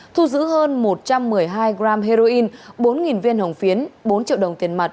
thu giữ hơn một trăm một mươi hai gram heroin bốn viên hồng phiến bốn triệu đồng tiền mặt